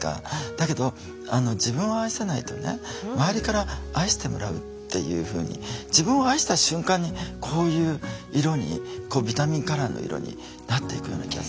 だけど自分を愛せないとね周りから愛してもらうっていうふうに自分を愛した瞬間にこういう色にビタミンカラーの色になっていくような気がするんですよね。